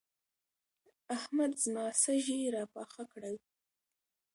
احمد زما سږي راپاخه کړل.